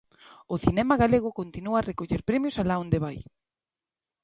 O cinema galego continúa a recoller premios alá onde vai.